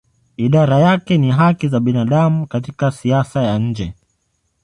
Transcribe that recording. Idara yake ni haki za binadamu katika siasa ya nje.